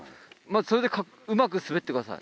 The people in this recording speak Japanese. それでうまく滑ってください。